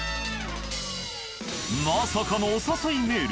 まさかのお誘いメール。